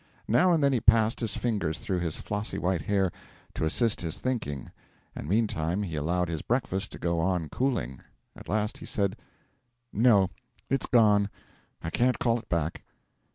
Now and then he passed his fingers through his flossy white hair, to assist his thinking, and meantime he allowed his breakfast to go on cooling. At last he said: 'No, it's gone; I can't call it back.'